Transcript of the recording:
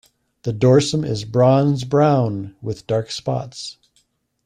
The dorsum is bronze brown, with dark spots.